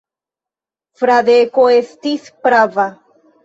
Fradeko estis prava.